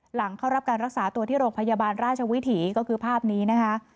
หลังเข้ารับการรักษาตัวที่โรงพยาบาลราชวิถีก็คือภาพนี้นะคะ